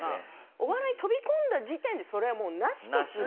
お笑い飛び込んだ時点でそれはもうなしとする。